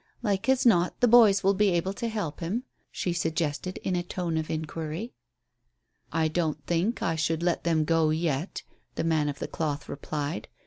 "Like as not the boys will be able to help him?" she suggested, in a tone of inquiry. "I don't think I should let them go yet," the man of the cloth replied.